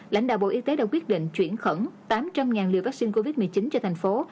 lãnh đạo bộ y tế đã quyết định chuyển khẩn tám trăm linh liều vaccine covid một mươi chín cho thành phố